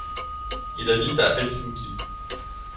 Il habite à Helsinki.